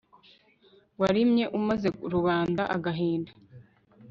warimye umaze rubanda agahinda